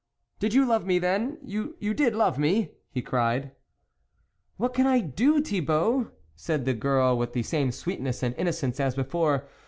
" You did love me then ? You did love me ?" he cried. " What can I do, Thibault !" said the girl with the same sweetness and inno cence as before.